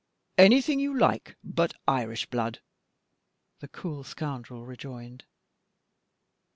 "Anything you like but Irish blood," the cool scoundrel rejoined.